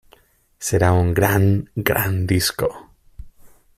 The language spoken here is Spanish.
Será un gran, gran disco.